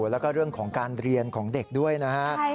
แล้วก็เรื่องของการเรียนของเด็กด้วยนะฮะ